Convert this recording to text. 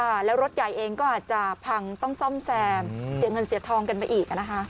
แล้วรถใหญ่เองก็อาจจะพังต้องซ่อมแซมเสียเงินเสียทองกันไปอีกอ่ะนะคะ